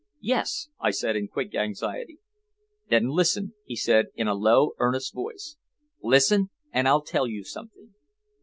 "Yes," I said in quick anxiety. "Then listen," he said in a low, earnest voice. "Listen, and I'll tell you something.